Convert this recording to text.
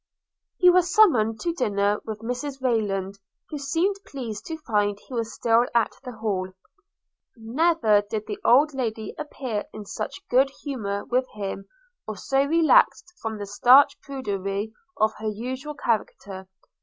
He was summoned to dinner with Mrs Rayland, who seemed pleased to find he was still at the Hall. Never did the old Lady appear in such good humour with him, or so relaxed from the starch prudery of her usual character.